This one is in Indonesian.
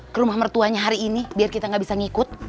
ke rumah mertuanya hari ini biar kita gak bisa ngikut